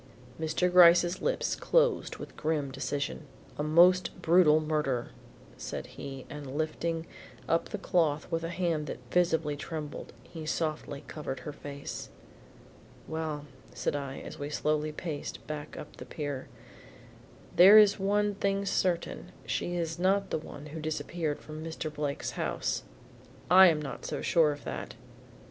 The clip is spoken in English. Mr. Gryce's lips closed with grim decision. "A most brutal murder," said he and lifting up the cloth with a hand that visibly trembled, he softly covered her face. "Well," said I as we slowly paced back up the pier, "there is one thing certain, she is not the one who disappeared from Mr. Blake's house." "I am not so sure of that."